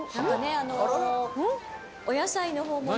あのお野菜のほうもね